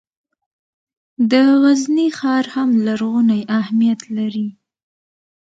د غزني ښار هم لرغونی اهمیت لري.